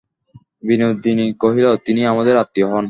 বিনোদিনী কহিল, তিনি আমাদের আত্মীয় হন।